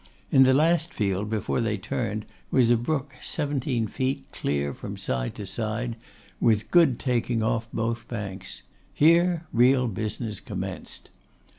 In the last field before they turned, was a brook seventeen feet clear from side to side, with good taking off both banks. Here real business commenced.